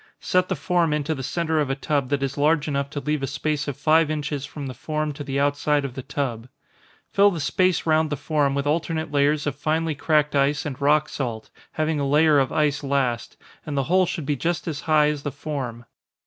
Set the form into the centre of a tub that is large enough to leave a space of five inches from the form to the outside of the tub. Fill the space round the form with alternate layers of finely cracked ice and rock salt, having a layer of ice last, and the whole should be just as high as the form.